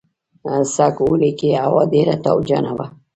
سږ اوړي کې هوا ډېره تاوجنه وه.